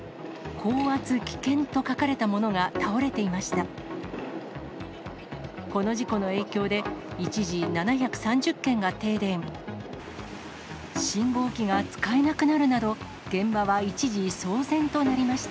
高圧危険と書かれたものが倒れていました。